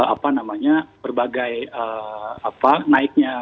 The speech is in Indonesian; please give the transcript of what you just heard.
apa namanya berbagai naiknya